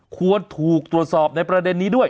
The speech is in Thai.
ควรถูกตรวจสอบในประเด็นนี้ด้วย